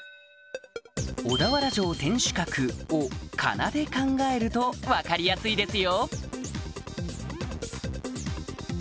「小田原城天守閣」を仮名で考えると分かりやすいですよ